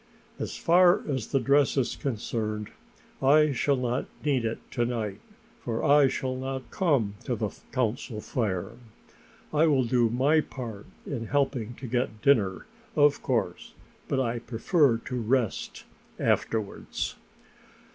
As far as the dress is concerned, I shall not need it to night, for I shall not come to the Council Fire. I will do my part in helping to get dinner, of course, but I prefer to rest afterwards."